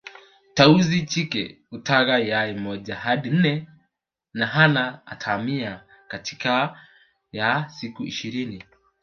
Tausi jike hutaga yai moja hadi manne na ana atamia kati ya siku ishirini